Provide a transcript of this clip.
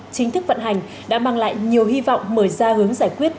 chính thức vận hành đã mang lại nhiều hy vọng mở ra hướng giải quyết